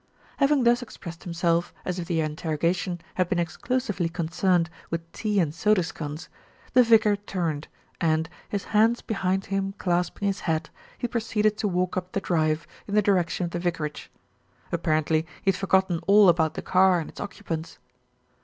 ^ Having thus expressed himself, as if the interroga tion had been exclusively concerned with tea and soda scones, the vicar turned and, his hands behind him clasping his hat, he proceeded to walk up the drive in the direction of the vicarage. Apparently he had for gotten all about the car and its occupants.